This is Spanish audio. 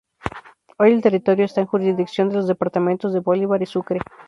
Hoy el territorio esta en jurisdicción de los Departamentos de Bolívar y Sucre.